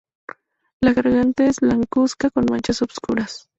La garganta es blancuzca con manchas oscuras.